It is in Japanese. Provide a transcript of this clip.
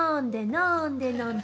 飲んで、飲んで。